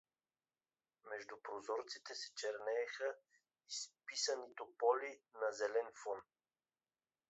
Между прозорците се чернееха изписани тополи на зелен фон.